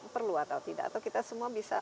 perlu atau tidak atau kita semua bisa